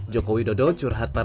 jokowi dodo curhat parah